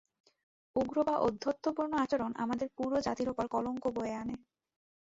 উগ্র বা ঔদ্ধত্যপূর্ণ আচরণ আমাদের পুরো জাতির ওপর কলঙ্ক বয়ে আনে।